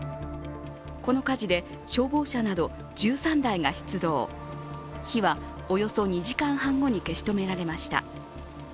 この火事で、消防車など１３台が出動火はおよそ２時間半後に消し止められました。